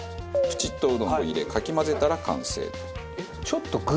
プチッとうどんを入れかき混ぜたら完成。